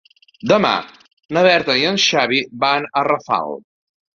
Demà na Berta i en Xavi van a Rafal.